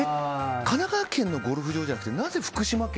神奈川県のゴルフ場じゃなくて福島県？